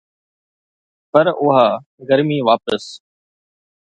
پر اها گرمي واپس